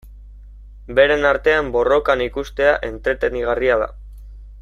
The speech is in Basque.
Beren artean borrokan ikustea entretenigarria da.